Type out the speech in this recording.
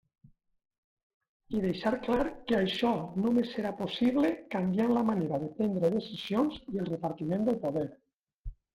I deixar clar que això només serà possible canviant la manera de prendre decisions i el repartiment del poder.